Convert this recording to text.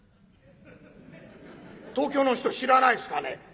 東京の人知らないですかね？